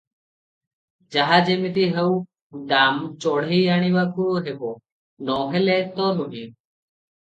ଯାଏ ଯିମିତି ହେଉ ଦାମ ଚଢ଼େଇ ଆଣିବାକୁ ହେବ, ନ ହେଲେ ତ ନୁହେଁ ।